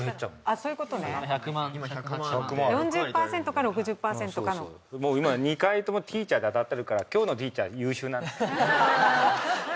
そういうことね今１００万４０％か６０％かのもう今２回ともティーチャーで当たってるから今日のティーチャー優秀なんです